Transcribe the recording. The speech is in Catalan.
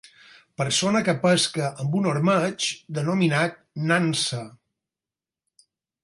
Persona que pesca amb un ormeig denominat nansa.